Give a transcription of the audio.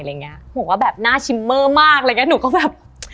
ล่ะอย่างเนี้ยบอกว่าแบบหน้าชิมเมอร์มากเลยงี้หนูก็แบบ